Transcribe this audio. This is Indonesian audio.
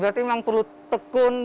berarti memang perlu tekun